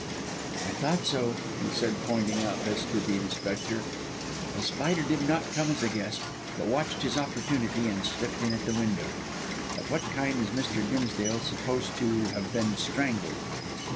"I thought so," he said pointing out this to the Inspector. "The Spider did not come as a guest, but watched his opportunity and slipped in at the window. At what time is Mr. Dimsdale supposed to have been strangled?"